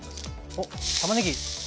おったまねぎ。